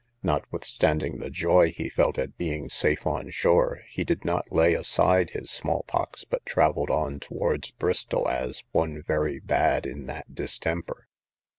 Notwithstanding the joy he felt at being safe on shore, he did not lay aside his small pox, but travelled on towards Bristol as one very bad in that distemper.